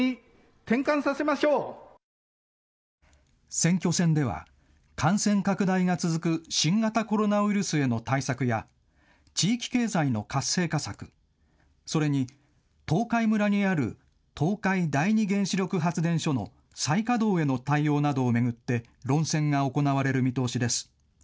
選挙戦では、感染拡大が続く新型コロナウイルスへの対策や地域経済の活性化策、それに東海村にある東海第二原子力発電所の再稼働への対応などを巡って論戦が行われる見通しです。